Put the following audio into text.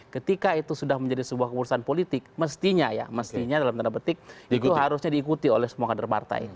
ketika itu sudah menjadi sebuah kemurusan politik mestinya ya mestinya dalam tanda petik harusnya diikuti oleh semua kader partai